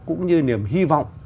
cũng như niềm hy vọng